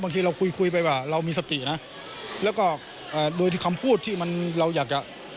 บางทีเราคุยคุยไปว่าเรามีสตินะแล้วก็เอ่อโดยที่คำพูดที่มันเราอยากจะ